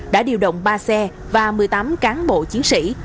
đã điều động ba xe và một mươi tám cán bộ chiến sĩ